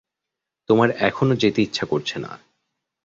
তোমার এখনো যেতে ইচ্ছা করছে না।